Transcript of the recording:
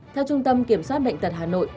theo trung tâm kiểm soát đệnh tật hà nội